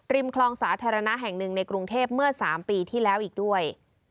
คลองสาธารณะแห่งหนึ่งในกรุงเทพเมื่อ๓ปีที่แล้วอีกด้วย